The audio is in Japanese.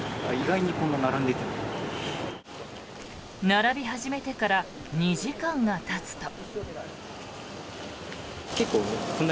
並び始めてから２時間がたつと。